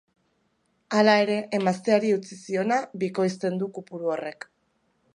Hala ere, emazteari utzi ziona bikoizten du kopuru horrek.